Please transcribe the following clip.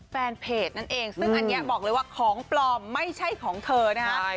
แฟนเพจนั่นเองซึ่งอันนี้บอกเลยว่าของปลอมไม่ใช่ของเธอนะฮะ